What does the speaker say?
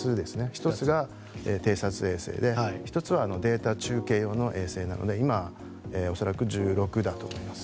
１つは偵察衛星で１つはデータ中継用の衛星なので今恐らく１６だと思います。